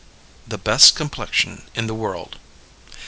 The Best Complexion in the World.